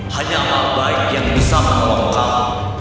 hanya apa yang bisa mengeluhkanmu